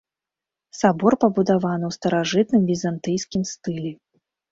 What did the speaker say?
Сабор пабудаваны ў старажытным візантыйскім стылі.